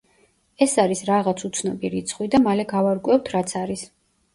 ეს არის რაღაც უცნობი რიცხვი და მალე გავარკვევთ რაც არის.